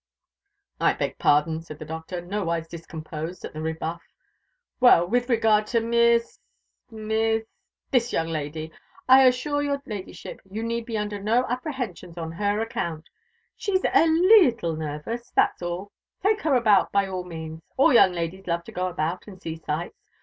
"I beg pardon," said the Doctor, nowise discomposed at this rebuff. "Well, with regard to Miss Miss this young lady, I assure your Ladyship, you need be under no apprehensions on her account. She's a leettle nervous, that's all take her about by all means all young ladies love to go about and see sights.